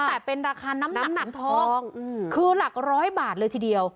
แต่เป็นราคาน้ำหนักทองคือหลักร้อยบาทเลยทีเดียว